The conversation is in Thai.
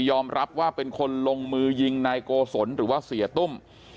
รับว่าเป็นคนลงมือยิงนายโกศลหรือว่าเสียตุ้ม